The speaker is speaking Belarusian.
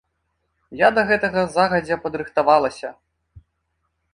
Я да гэтага загадзя падрыхтавалася.